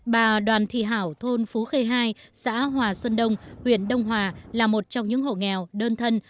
bà đoàn thị hảo thôn phú khê hai xã hòa xuân đông huyện đông hòa là một trong những hộ nghèo đơn thân